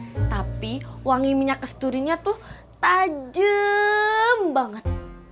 tapi wangi minyak kesturinya tuh tajem banget